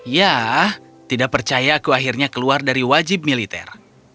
ya tidak percaya aku akhirnya keluar dari wajib militer